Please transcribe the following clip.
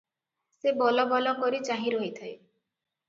ସେ ବଲବଲ କରି ଚାହିଁ ରହିଥାଏ ।